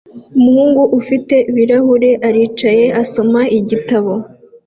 Umuhungu ufite ibirahuri aricaye asoma igitabo